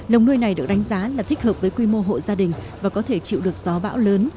lồng nuôi này được đánh giá là thích hợp với quy mô hộ gia đình và có thể chịu được gió bão lớn